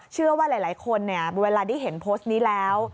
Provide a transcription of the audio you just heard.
เชื่อว่าหลายคนเนี่ยเวลาได้เห็นโพสต์นี้แล้ว